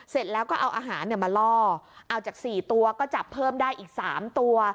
เสร็จแล้วก็เอาอาหารมาล่อเอาจาก๔ตัวก็จับเพิ่มได้อีก๓ตัว